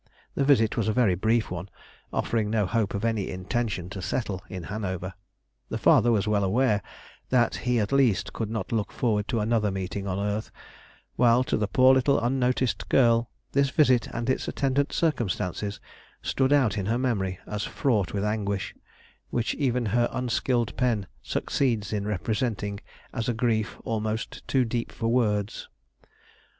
The visit was a very brief one, offering no hope of any intention to settle in Hanover; the father was well aware that he at least could not look forward to another meeting on earth, while to the poor little unnoticed girl, this visit and its attendant circumstances stood out in her memory as fraught with anguish, which even her unskilled pen succeeds in representing as a grief almost too deep for words.